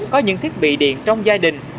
có những thiết bị điện trong gia đình